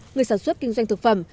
người sản xuất kinh doanh thực phẩm